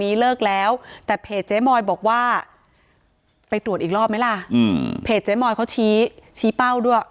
อาจารย์หมีเลิกแล้วแต่เพจเจ๊มอยบอกว่าไปตรวจอีกรอบไหมล่ะเพจเจ๊มอยเขาชี้เป้าด้วย